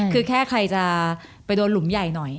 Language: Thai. คือแค่ใครจะไปโดนหลุมใหญ่หน่อย